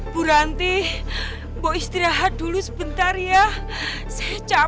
kita udah cerita